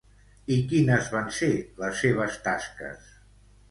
I quines van ser les seves tasques?